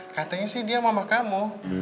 katanya sih dia mama kamu